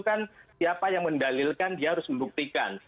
kan siapa yang mendalilkan dia harus membuktikan